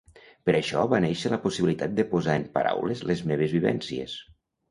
Per això va néixer la possibilitat de posar en paraules les meves vivències.